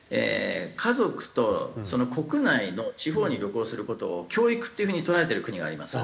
家族とその国内の地方に旅行する事を教育っていう風に捉えてる国があります。